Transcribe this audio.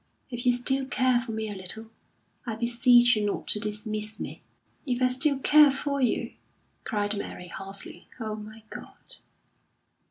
If you still care for me a little, I beseech you not to dismiss me." "If I still care for you!" cried Mary, hoarsely. "Oh, my God!"